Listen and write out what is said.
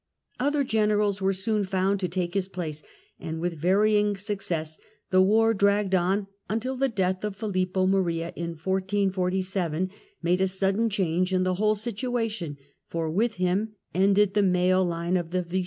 Other generals were soon found to take his place, and with varying success the war dragged on, until the death of Filippo Maria in Death of 1447 made a sudden change in the whole situation, for Maria vis with him ended the male line of the Visconti.